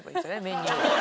メニュー。